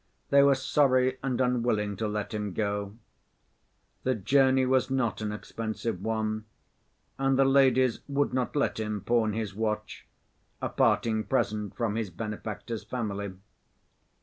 They were sorry and unwilling to let him go. The journey was not an expensive one, and the ladies would not let him pawn his watch, a parting present from his benefactor's family.